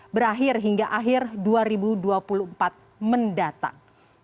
berakhir hingga akhir dua ribu dua puluh empat mendatang